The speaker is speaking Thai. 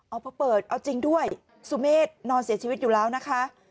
เอาไปเปิดเอาจริงด้วยสุเมฆนอนเสียชีวิตอยู่แล้วนะคะ